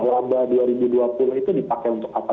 wabah dua ribu dua puluh itu dipakai untuk apa